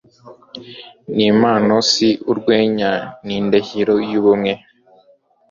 ni impamo si urwenya ni indahiro y'ubumwe